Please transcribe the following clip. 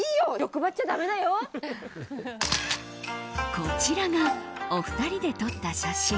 こちらがお二人で撮った写真。